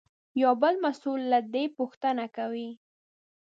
یو بل مسوول له ده پوښتنه کوي.